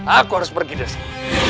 aku harus pergi dari sini